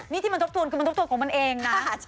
นี่ที่มันทบทวนคือมันทบทวนของมันเองนะ